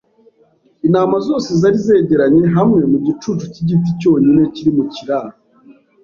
Intama zose zari zegeranye hamwe mu gicucu cy’igiti cyonyine kiri mu kiraro.